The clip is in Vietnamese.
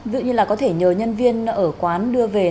ví dụ như là có thể nhờ nhân viên ở quán đưa về